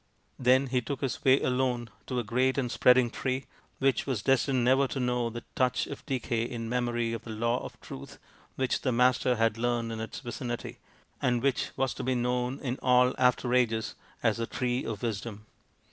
Then he took his way alone to a great and spreading tree, which was destined never to know the touch of decay in memory of the Law of Truth which the Master had learnt in its vicinity, and which was to be known in all after ages as the Tree of Wisdom.